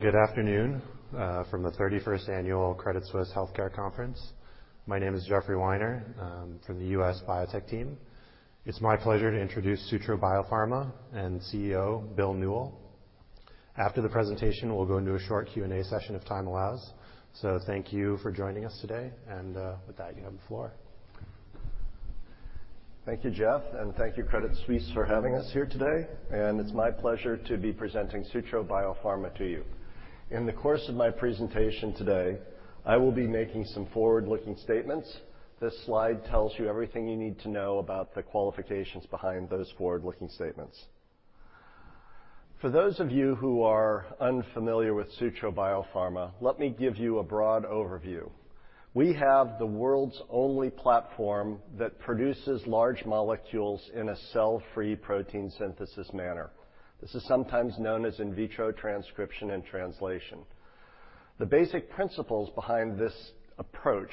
Good afternoon from the 31st annual Credit Suisse Healthcare Conference. My name is Geoffrey Weiner. I'm from the U.S. Biotech team. It's my pleasure to introduce Sutro Biopharma and CEO Bill Newell. After the presentation, we'll go into a short Q&A session if time allows. Thank you for joining us today, and with that, you have the floor. Thank you, Jeff, and thank you, Credit Suisse, for having us here today. It's my pleasure to be presenting Sutro Biopharma to you. In the course of my presentation today, I will be making some forward-looking statements. This slide tells you everything you need to know about the qualifications behind those forward-looking statements. For those of you who are unfamiliar with Sutro Biopharma, let me give you a broad overview. We have the world's only platform that produces large molecules in a cell-free protein synthesis manner. This is sometimes known as in vitro transcription and translation. The basic principles behind this approach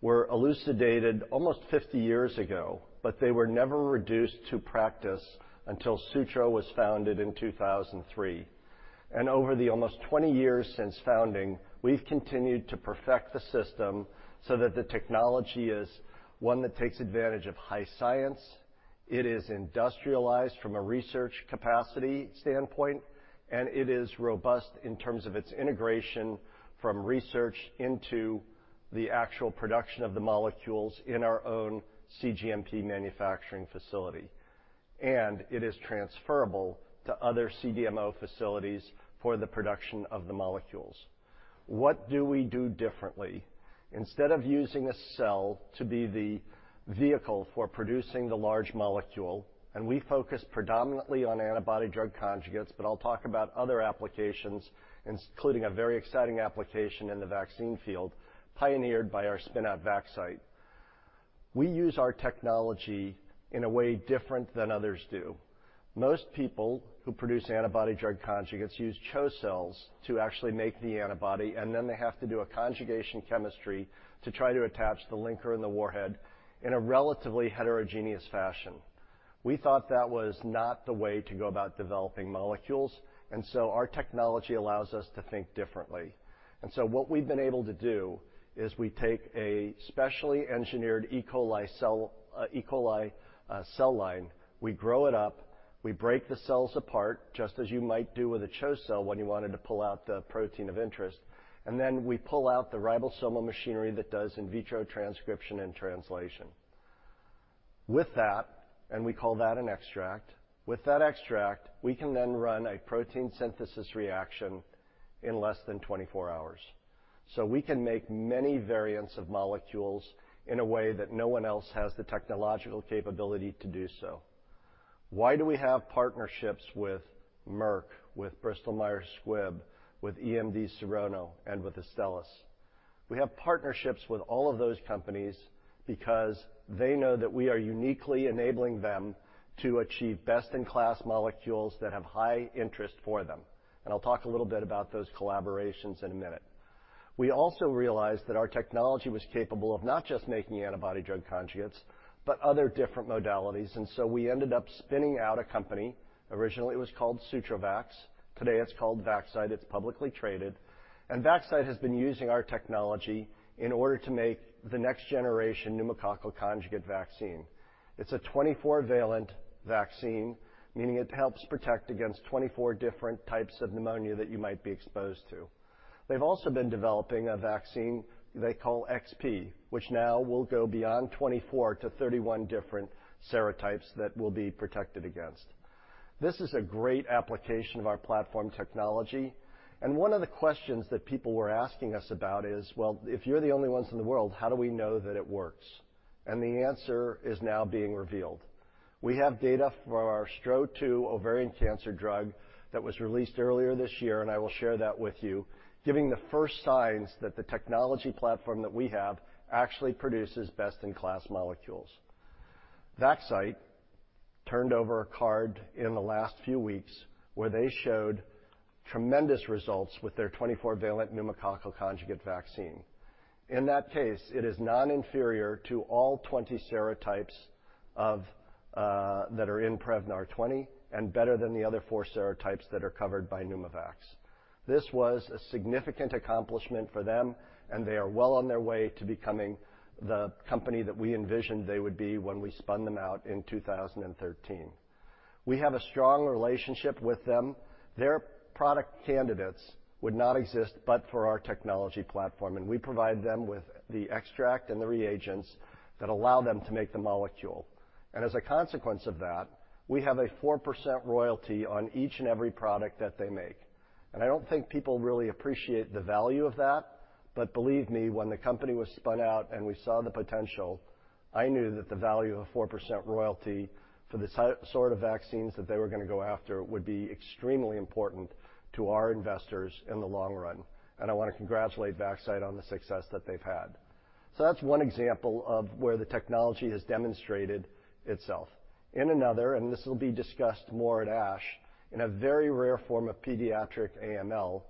were elucidated almost 50 years ago, but they were never reduced to practice until Sutro was founded in 2003. Over the almost 20 years since founding, we've continued to perfect the system so that the technology is one that takes advantage of high science. It is industrialized from a research capacity standpoint, and it is robust in terms of its integration from research into the actual production of the molecules in our own cGMP manufacturing facility. It is transferable to other CDMO facilities for the production of the molecules. What do we do differently? Instead of using a cell to be the vehicle for producing the large molecule, and we focus predominantly on antibody-drug conjugates, but I'll talk about other applications, including a very exciting application in the vaccine field, pioneered by our spin-out Vaxcyte. We use our technology in a way different than others do. Most people who produce antibody-drug conjugates use CHO cells to actually make the antibody, and then they have to do a conjugation chemistry to try to attach the linker and the warhead in a relatively heterogeneous fashion. We thought that was not the way to go about developing molecules, and so our technology allows us to think differently. What we've been able to do is we take a specially engineered E. coli cell line. We grow it up. We break the cells apart, just as you might do with a CHO cell when you wanted to pull out the protein of interest, and then we pull out the ribosomal machinery that does in vitro transcription and translation. With that, we call that an extract. With that extract, we can then run a protein synthesis reaction in less than 24 hours. We can make many variants of molecules in a way that no one else has the technological capability to do so. Why do we have partnerships with Merck, with Bristol Myers Squibb, with EMD Serono, and with Astellas? We have partnerships with all of those companies because they know that we are uniquely enabling them to achieve best-in-class molecules that have high interest for them. I'll talk a little bit about those collaborations in a minute. We also realized that our technology was capable of not just making antibody-drug conjugates, but other different modalities, and so we ended up spinning out a company. Originally, it was called SutroVax. Today, it's called Vaxcyte. It's publicly traded. Vaxcyte has been using our technology in order to make the next-generation pneumococcal conjugate vaccine. It's a 24-valent vaccine, meaning it helps protect against 24 different types of pneumonia that you might be exposed to. They've also been developing a vaccine they call VAX-XP, which now will go beyond 24 to 31 different serotypes that will be protected against. This is a great application of our platform technology, and one of the questions that people were asking us about is, "Well, if you're the only ones in the world, how do we know that it works?" The answer is now being revealed. We have data for our STRO-002 ovarian cancer drug that was released earlier this year, and I will share that with you, giving the first signs that the technology platform that we have actually produces best-in-class molecules. Vaxcyte turned over a card in the last few weeks where they showed tremendous results with their 24-valent pneumococcal conjugate vaccine. In that case, it is non-inferior to all 20 serotypes of that are in Prevnar 20 and better than the other 4 serotypes that are covered by Pneumovax. This was a significant accomplishment for them, and they are well on their way to becoming the company that we envisioned they would be when we spun them out in 2013. We have a strong relationship with them. Their product candidates would not exist but for our technology platform, and we provide them with the extract and the reagents that allow them to make the molecule. As a consequence of that, we have a 4% royalty on each and every product that they make. I don't think people really appreciate the value of that, but believe me, when the company was spun out, and we saw the potential, I knew that the value of a 4% royalty for the sort of vaccines that they were gonna go after would be extremely important to our investors in the long run. I wanna congratulate Vaxcyte on the success that they've had. That's one example of where the technology has demonstrated itself. In another, this will be discussed more at ASH, in a very rare form of pediatric AML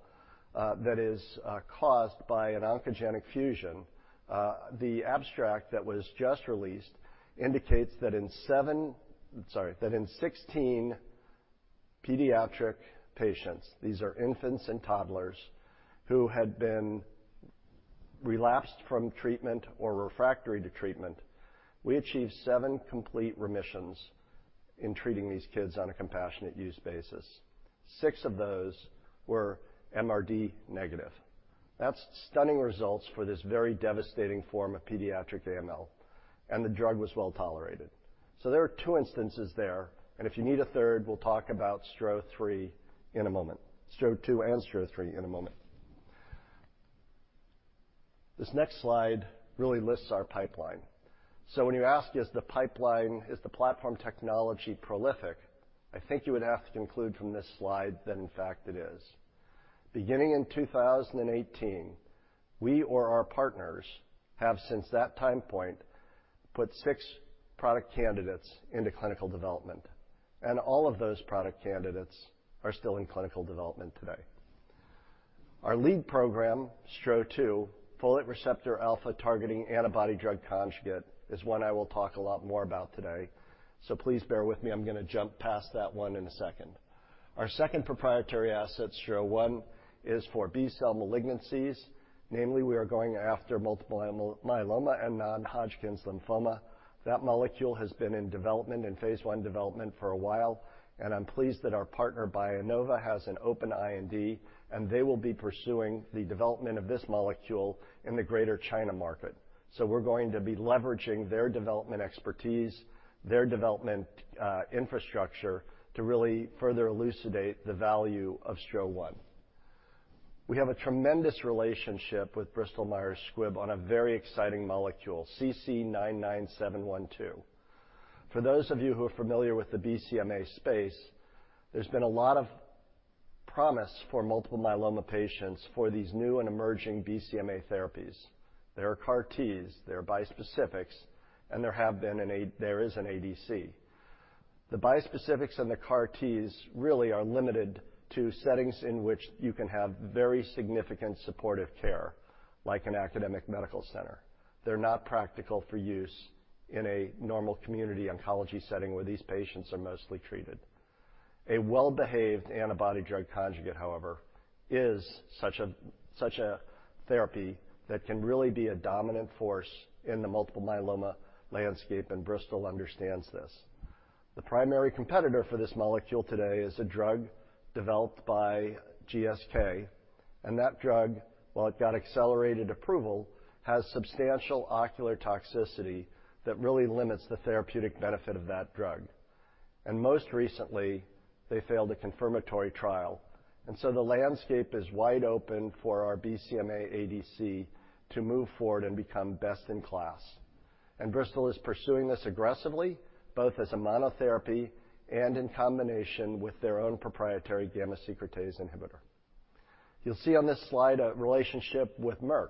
that is caused by an oncogenic fusion, the abstract that was just released indicates that in 16 pediatric patients, these are infants and toddlers who had been relapsed from treatment or refractory to treatment. We achieved 7 complete remissions in treating these kids on a compassionate use basis. 6 of those were MRD-negative. That's stunning results for this very devastating form of pediatric AML, and the drug was well-tolerated. There are two instances there, and if you need a third, we'll talk about STRO-002 and STRO-003 in a moment. This next slide really lists our pipeline. When you ask, is the pipeline, is the platform technology prolific? I think you would have to conclude from this slide that in fact it is. Beginning in 2018, we or our partners have since that time point, put 6 product candidates into clinical development, and all of those product candidates are still in clinical development today. Our lead program, STRO-002, folate receptor alpha-targeting antibody-drug conjugate, is one I will talk a lot more about today, so please bear with me. I'm gonna jump past that one in a second. Our second proprietary asset, STRO-001, is for B-cell malignancies. Namely, we are going after multiple myeloma and non-Hodgkin's lymphoma. That molecule has been in development, in phase I development for a while, and I'm pleased that our partner, BioNova, has an open IND, and they will be pursuing the development of this molecule in the Greater China market. We're going to be leveraging their development expertise, their development infrastructure to really further elucidate the value of STRO-001. We have a tremendous relationship with Bristol Myers Squibb on a very exciting molecule, CC-99712. For those of you who are familiar with the BCMA space, there's been a lot of promise for multiple myeloma patients for these new and emerging BCMA therapies. There are CAR Ts, there are bispecifics, and there is an ADC. The bispecifics and the CAR Ts really are limited to settings in which you can have very significant supportive care, like an academic medical center. They're not practical for use in a normal community oncology setting where these patients are mostly treated. A well-behaved antibody drug conjugate, however, is such a therapy that can really be a dominant force in the multiple myeloma landscape, and Bristol understands this. The primary competitor for this molecule today is a drug developed by GSK, and that drug, while it got accelerated approval, has substantial ocular toxicity that really limits the therapeutic benefit of that drug. Most recently, they failed a confirmatory trial, and so the landscape is wide open for our BCMA ADC to move forward and become best in class. Bristol is pursuing this aggressively, both as a monotherapy and in combination with their own proprietary gamma-secretase inhibitor. You'll see on this slide a relationship with Merck.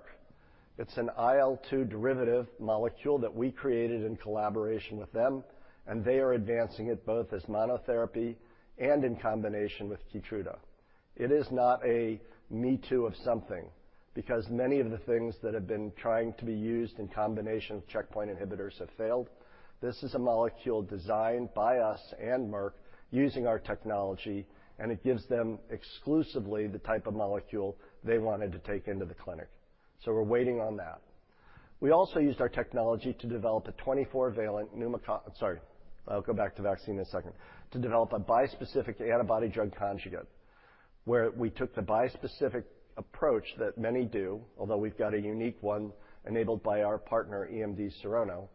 It's an IL-2 derivative molecule that we created in collaboration with them, and they are advancing it both as monotherapy and in combination with Keytruda. It is not a me-too of something because many of the things that have been trying to be used in combination with checkpoint inhibitors have failed. This is a molecule designed by us and Merck using our technology, and it gives them exclusively the type of molecule they wanted to take into the clinic. We're waiting on that. We also used our technology to develop a bispecific antibody drug conjugate, where we took the bispecific approach that many do, although we've got a unique one enabled by our partner, EMD Serono,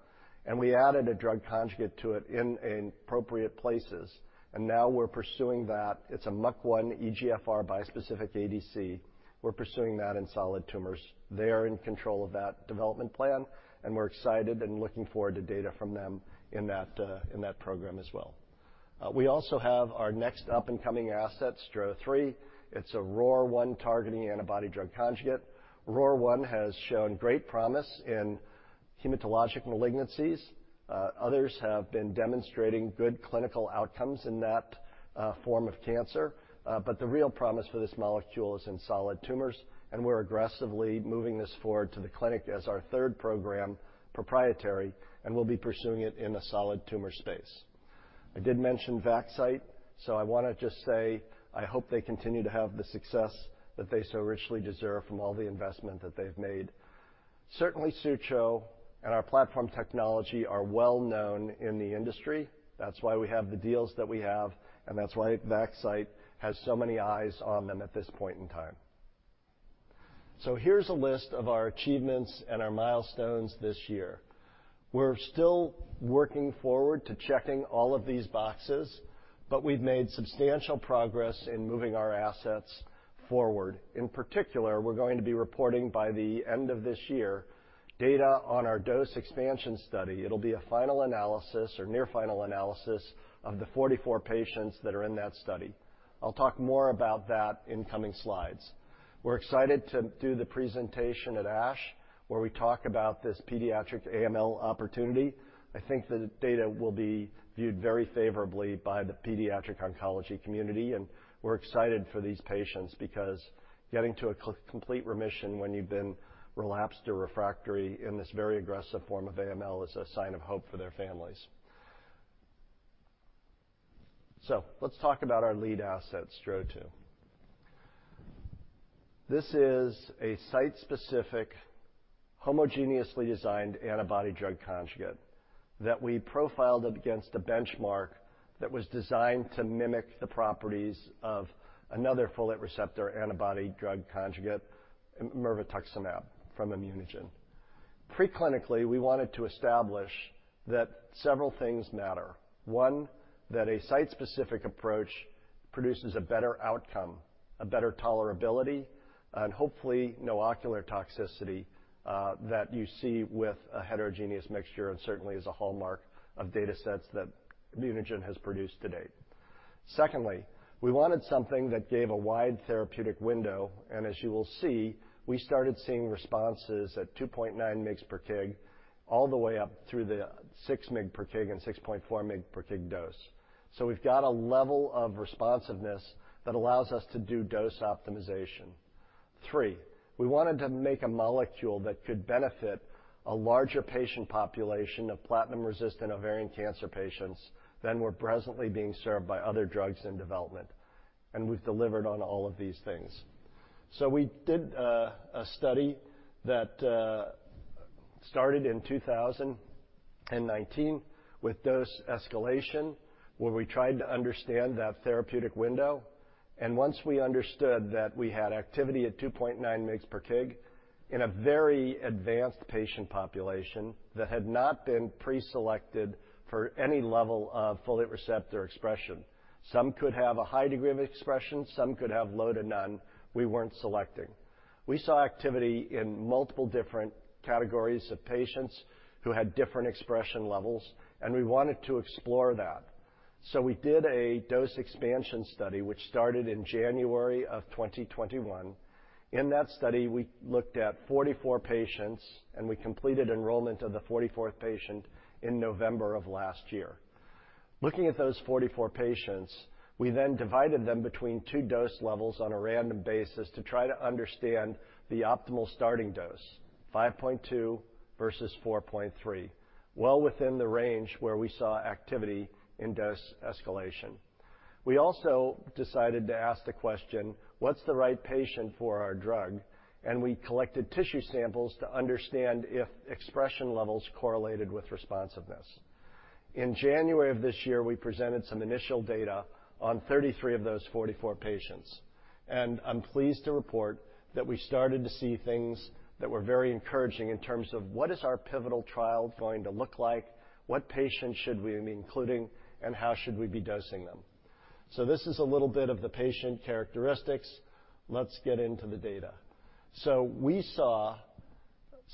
and we added a drug conjugate to it in appropriate places. Now we're pursuing that. It's a MUC1/EGFR bispecific ADC. We're pursuing that in solid tumors. They are in control of that development plan, and we're excited and looking forward to data from them in that program as well. We also have our next up-and-coming asset, STRO-003. It's a ROR1-targeting antibody drug conjugate. ROR1 has shown great promise in hematologic malignancies. Others have been demonstrating good clinical outcomes in that form of cancer. The real promise for this molecule is in solid tumors, and we're aggressively moving this forward to the clinic as our third program proprietary, and we'll be pursuing it in the solid tumor space. I did mention Vaxcyte, so I wanna just say, I hope they continue to have the success that they so richly deserve from all the investment that they've made. Certainly, Sutro and our platform technology are well known in the industry. That's why we have the deals that we have, and that's why Vaxcyte has so many eyes on them at this point in time. Here's a list of our achievements and our milestones this year. We're still working forward to checking all of these boxes, but we've made substantial progress in moving our assets forward. In particular, we're going to be reporting by the end of this year data on our dose expansion study. It'll be a final analysis or near final analysis of the 44 patients that are in that study. I'll talk more about that in coming slides. We're excited to do the presentation at ASH, where we talk about this pediatric AML opportunity. I think the data will be viewed very favorably by the pediatric oncology community, and we're excited for these patients because getting to a complete remission when you've been relapsed or refractory in this very aggressive form of AML is a sign of hope for their families. Let's talk about our lead asset, STRO-002. This is a site-specific, homogeneously designed antibody-drug conjugate that we profiled against a benchmark that was designed to mimic the properties of another folate receptor antibody-drug conjugate, mirvetuximab, from ImmunoGen. Preclinically, we wanted to establish that several things matter. One, that a site-specific approach produces a better outcome, a better tolerability, and hopefully no ocular toxicity, that you see with a heterogeneous mixture and certainly is a hallmark of data sets that ImmunoGen has produced to date. Secondly, we wanted something that gave a wide therapeutic window, and as you will see, we started seeing responses at 2.9 mg per kg all the way up through the 6 mg per kg and 6.4 mg per kg dose. We've got a level of responsiveness that allows us to do dose optimization. Three, we wanted to make a molecule that could benefit a larger patient population of platinum-resistant ovarian cancer patients than were presently being served by other drugs in development, and we've delivered on all of these things. We did a study that started in 2019 with dose escalation, where we tried to understand that therapeutic window. Once we understood that we had activity at 2.9 mg/kg in a very advanced patient population that had not been preselected for any level of folate receptor expression. Some could have a high degree of expression, some could have low to none. We weren't selecting. We saw activity in multiple different categories of patients who had different expression levels, and we wanted to explore that. We did a dose expansion study, which started in January 2021. In that study, we looked at 44 patients, and we completed enrollment of the 44th patient in November of last year. Looking at those 44 patients, we then divided them between two dose levels on a random basis to try to understand the optimal starting dose, 5.2 versus 4.3, well within the range where we saw activity in dose escalation. We also decided to ask the question, "What's the right patient for our drug?" We collected tissue samples to understand if expression levels correlated with responsiveness. In January of this year, we presented some initial data on 33 of those 44 patients, and I'm pleased to report that we started to see things that were very encouraging in terms of what is our pivotal trial going to look like, what patients should we be including, and how should we be dosing them. This is a little bit of the patient characteristics. Let's get into the data. We saw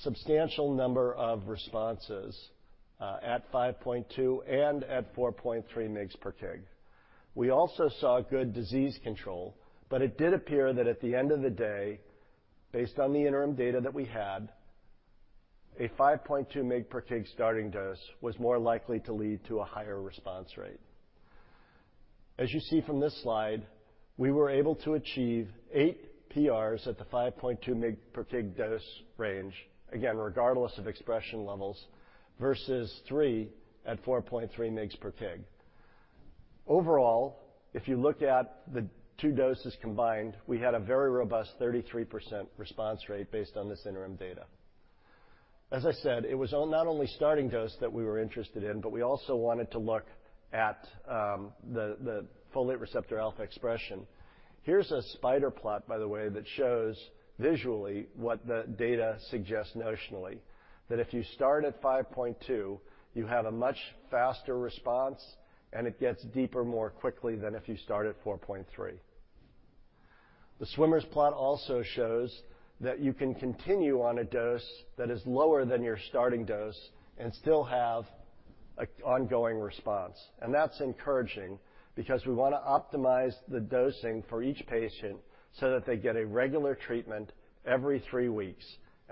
substantial number of responses at 5.2 and at 4.3 mg per kg. We also saw good disease control, but it did appear that at the end of the day, based on the interim data that we had, a 5.2 mg per kg starting dose was more likely to lead to a higher response rate. As you see from this slide, we were able to achieve 8 PRs at the 5.2 mg per kg dose range, again, regardless of expression levels, versus 3 at 4.3 mg per kg. Overall, if you look at the two doses combined, we had a very robust 33% response rate based on this interim data. As I said, it was not only starting dose that we were interested in, but we also wanted to look at the folate receptor alpha expression. Here's a spider plot, by the way, that shows visually what the data suggests notionally, that if you start at 5.2, you have a much faster response, and it gets deeper more quickly than if you start at 4.3. The swimmer plot also shows that you can continue on a dose that is lower than your starting dose and still have an ongoing response. That's encouraging because we wanna optimize the dosing for each patient so that they get a regular treatment every 3 weeks.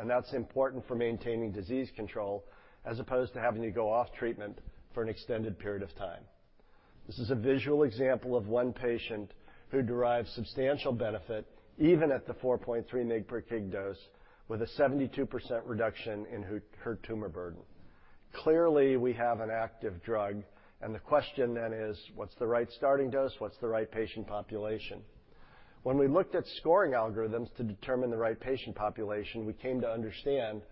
That's important for maintaining disease control as opposed to having to go off treatment for an extended period of time. This is a visual example of one patient who derives substantial benefit even at the 4.3 mg per kg dose with a 72% reduction in her tumor burden. Clearly, we have an active drug, and the question then is, what's the right starting dose? What's the right patient population? When we looked at scoring algorithms to determine the right patient population, we came to understand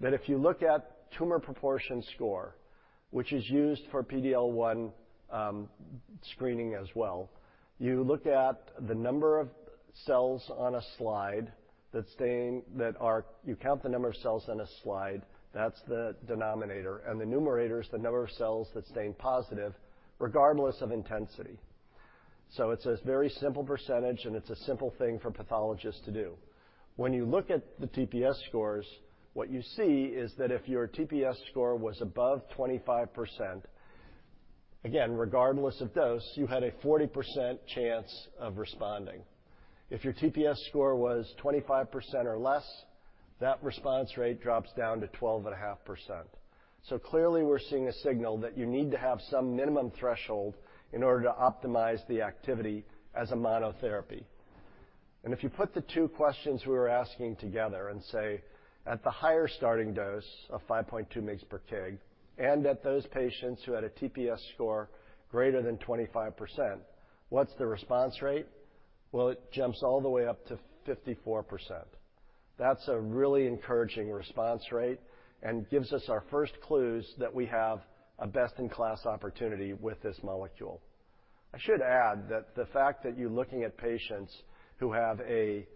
that if you look at Tumor Proportion Score, which is used for PD-L1 screening as well, you look at the number of cells on a slide, you count the number of cells on a slide, that's the denominator, and the numerator is the number of cells that stain positive regardless of intensity. So it's a very simple percentage, and it's a simple thing for pathologists to do. When you look at the TPS scores, what you see is that if your TPS score was above 25%, again, regardless of dose, you had a 40% chance of responding. If your TPS score was 25% or less, that response rate drops down to 12.5%. Clearly, we're seeing a signal that you need to have some minimum threshold in order to optimize the activity as a monotherapy. If you put the two questions we were asking together and say at the higher starting dose of 5.2 mg/kg and at those patients who had a TPS score greater than 25%, what's the response rate? Well, it jumps all the way up to 54%. That's a really encouraging response rate and gives us our first clues that we have a best-in-class opportunity with this molecule. I should add that the fact that you're looking at patients who have a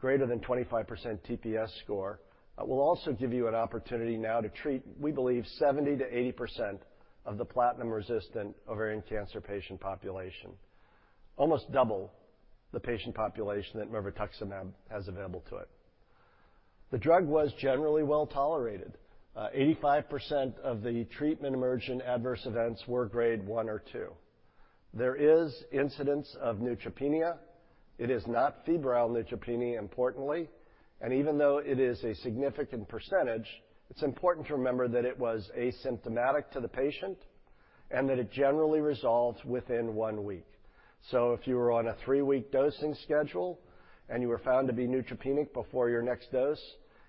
greater than 25% TPS score will also give you an opportunity now to treat, we believe, 70%-80% of the platinum-resistant ovarian cancer patient population, almost double the patient population that mirvetuximab has available to it. The drug was generally well-tolerated. 85% of the treatment-emergent adverse events were Grade 1 or 2. There is incidence of neutropenia. It is not febrile neutropenia, importantly. Even though it is a significant percentage, it's important to remember that it was asymptomatic to the patient and that it generally resolves within 1 week. If you were on a 3-week dosing schedule and you were found to be neutropenic before your next dose,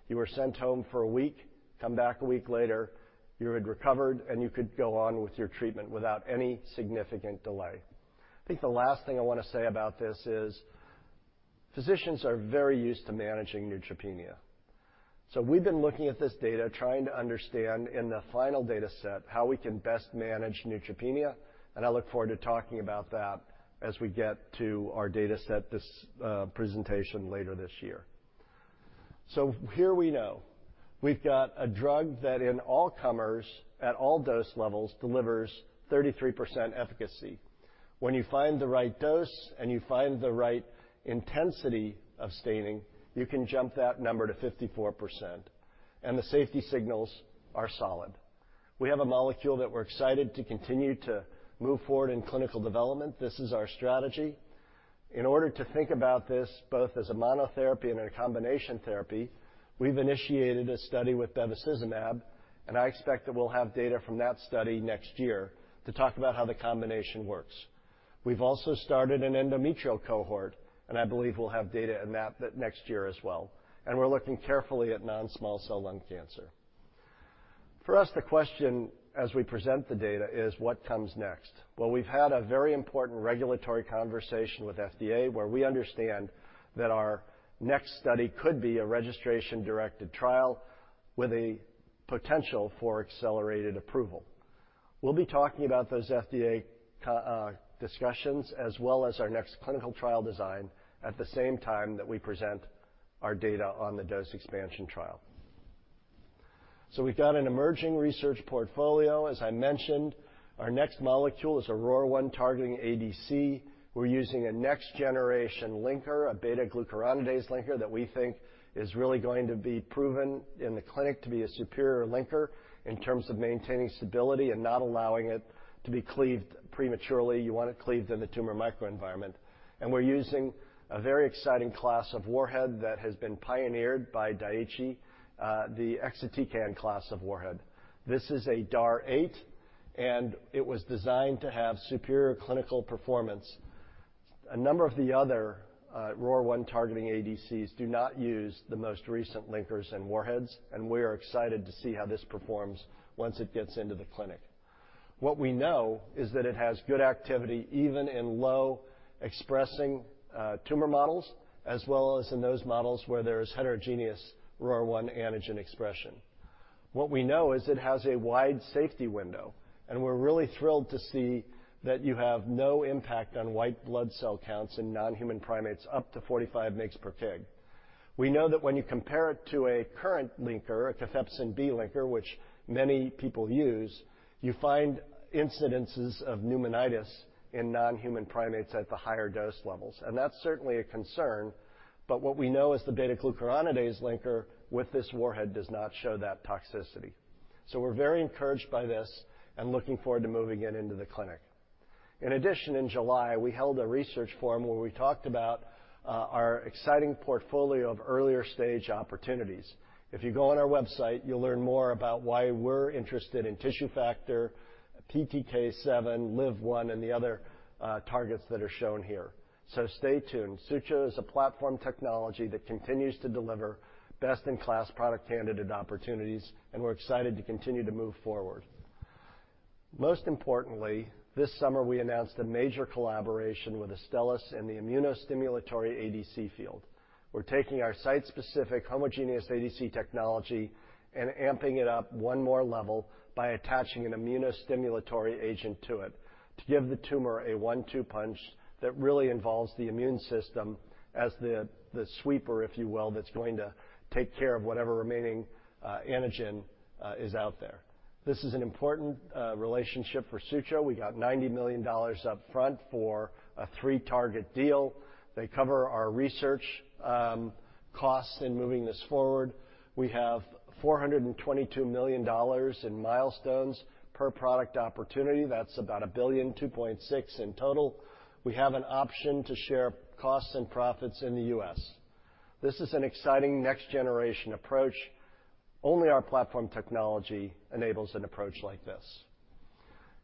you were sent home for a week, come back a week later, you had recovered, and you could go on with your treatment without any significant delay. I think the last thing I wanna say about this is physicians are very used to managing neutropenia. We've been looking at this data, trying to understand in the final data set how we can best manage neutropenia, and I look forward to talking about that as we get to our data set this presentation later this year. Here we know we've got a drug that in all comers at all dose levels delivers 33% efficacy. When you find the right dose and you find the right intensity of staining, you can jump that number to 54%, and the safety signals are solid. We have a molecule that we're excited to continue to move forward in clinical development. This is our strategy. In order to think about this both as a monotherapy and a combination therapy, we've initiated a study with bevacizumab, and I expect that we'll have data from that study next year to talk about how the combination works. We've also started an endometrial cohort, and I believe we'll have data in that next year as well, and we're looking carefully at non-small cell lung cancer. For us, the question as we present the data is what comes next? Well, we've had a very important regulatory conversation with FDA, where we understand that our next study could be a registration-directed trial with a potential for accelerated approval. We'll be talking about those FDA discussions as well as our next clinical trial design at the same time that we present our data on the dose expansion trial. We've got an emerging research portfolio. As I mentioned, our next molecule is a ROR1-targeting ADC. We're using a next-generation linker, a beta-glucuronidase linker that we think is really going to be proven in the clinic to be a superior linker in terms of maintaining stability and not allowing it to be cleaved prematurely. You want it cleaved in the tumor microenvironment. We're using a very exciting class of warhead that has been pioneered by Daiichi, the exatecan class of warhead. This is a DAR 8, and it was designed to have superior clinical performance. A number of the other ROR1 targeting ADCs do not use the most recent linkers and warheads, and we are excited to see how this performs once it gets into the clinic. What we know is that it has good activity even in low expressing tumor models as well as in those models where there is heterogeneous ROR1 antigen expression. What we know is it has a wide safety window, and we're really thrilled to see that you have no impact on white blood cell counts in non-human primates up to 45 mgs per kg. We know that when you compare it to a current linker, a cathepsin B linker, which many people use, you find incidences of pneumonitis in non-human primates at the higher dose levels, and that's certainly a concern. What we know is the beta-glucuronidase linker with this warhead does not show that toxicity. We're very encouraged by this and looking forward to moving it into the clinic. In addition, in July, we held a research forum where we talked about our exciting portfolio of earlier stage opportunities. If you go on our website, you'll learn more about why we're interested in tissue factor, PTK7, LIV-1, and the other targets that are shown here. Stay tuned. Sutro is a platform technology that continues to deliver best-in-class product candidate opportunities, and we're excited to continue to move forward. Most importantly, this summer, we announced a major collaboration with Astellas in the immunostimulatory ADC field. We're taking our site-specific homogeneous ADC technology and amping it up one more level by attaching an immunostimulatory agent to it to give the tumor a one-two punch that really involves the immune system as the sweeper, if you will, that's going to take care of whatever remaining antigen is out there. This is an important relationship for Sutro. We got $90 million up front for a three-target deal. They cover our research costs in moving this forward. We have $422 million in milestones per product opportunity. That's about $1.26 billion in total. We have an option to share costs and profits in the U.S. This is an exciting next-generation approach. Only our platform technology enables an approach like this.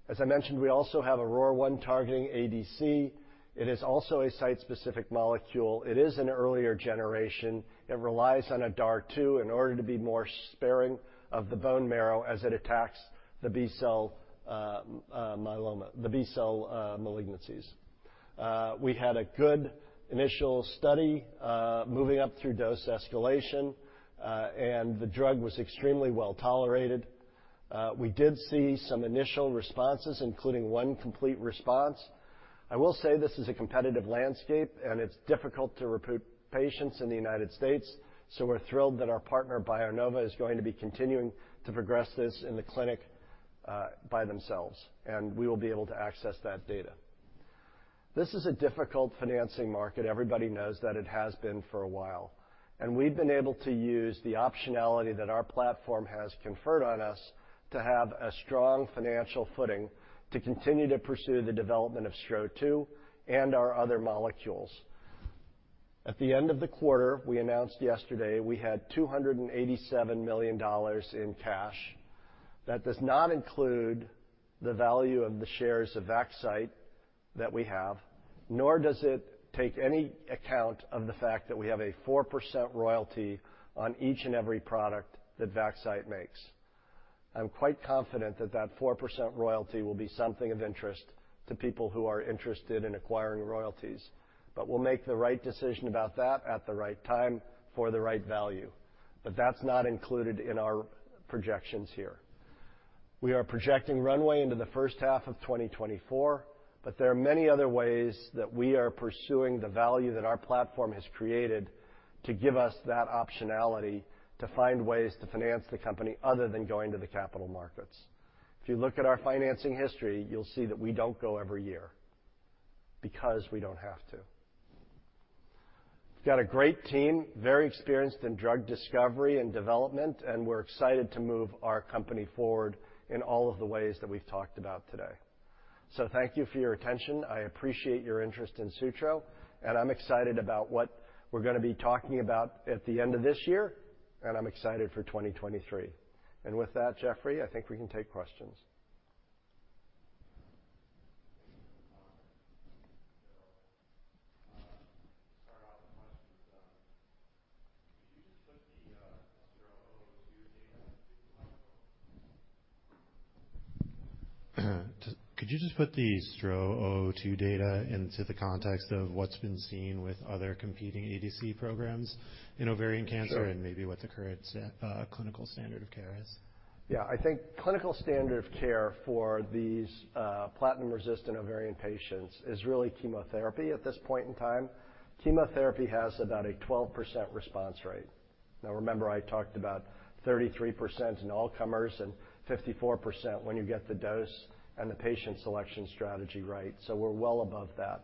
As I mentioned, we also have a ROR1 targeting ADC. It is also a site-specific molecule. It is an earlier generation. It relies on a DAR2 in order to be more sparing of the bone marrow as it attacks the B-cell malignancies. We had a good initial study, moving up through dose escalation, and the drug was extremely well-tolerated. We did see some initial responses, including one complete response. I will say this is a competitive landscape, and it's difficult to recruit patients in the United States, so we're thrilled that our partner, BioNova, is going to be continuing to progress this in the clinic, by themselves, and we will be able to access that data. This is a difficult financing market. Everybody knows that it has been for a while, and we've been able to use the optionality that our platform has conferred on us to have a strong financial footing to continue to pursue the development of STRO-002 and our other molecules. At the end of the quarter, we announced yesterday, we had $287 million in cash. That does not include the value of the shares of Vaxcyte that we have, nor does it take any account of the fact that we have a 4% royalty on each and every product that Vaxcyte makes. I'm quite confident that that 4% royalty will be something of interest to people who are interested in acquiring royalties, but we'll make the right decision about that at the right time for the right value. That's not included in our projections here. We are projecting runway into the first half of 2024, but there are many other ways that we are pursuing the value that our platform has created to give us that optionality to find ways to finance the company other than going to the capital markets. If you look at our financing history, you'll see that we don't go every year because we don't have to. We've got a great team, very experienced in drug discovery and development, and we're excited to move our company forward in all of the ways that we've talked about today. Thank you for your attention. I appreciate your interest in Sutro, and I'm excited about what we're gonna be talking about at the end of this year, and I'm excited for 2023. With that, Geoffrey, I think we can take questions. Thank you. So to start off with questions. Could you just put the STRO-002 data into the context of what's been seen with other competing ADC programs in ovarian cancer and maybe what the current clinical standard of care is? Yeah. I think clinical standard of care for these platinum-resistant ovarian patients is really chemotherapy at this point in time. Chemotherapy has about a 12% response rate. Now, remember I talked about 33% in all comers and 54% when you get the dose and the patient selection strategy right, so we're well above that.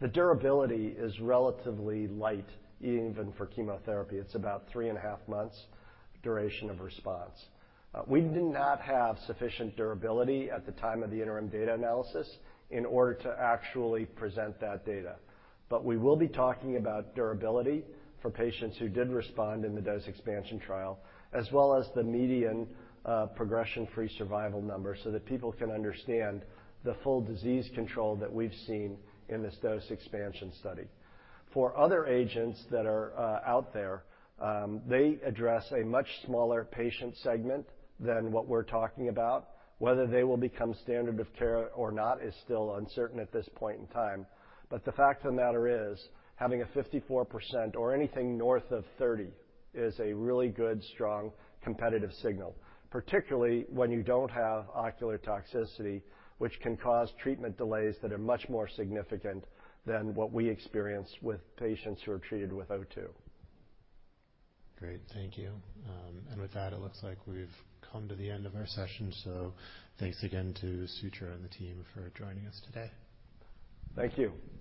The durability is relatively light, even for chemotherapy. It's about three and a half months duration of response. We do not have sufficient durability at the time of the interim data analysis in order to actually present that data. We will be talking about durability for patients who did respond in the dose expansion trial, as well as the median progression-free survival number so that people can understand the full disease control that we've seen in this dose expansion study. For other agents that are out there, they address a much smaller patient segment than what we're talking about. Whether they will become standard of care or not is still uncertain at this point in time. The fact of the matter is, having a 54% or anything north of 30 is a really good, strong competitive signal, particularly when you don't have ocular toxicity, which can cause treatment delays that are much more significant than what we experience with patients who are treated with STRO-002. Great. Thank you. With that, it looks like we've come to the end of our session. Thanks again to Sutro and the team for joining us today. Thank you.